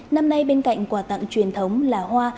năm nay bên cạnh quà tặng truyền thống là hoa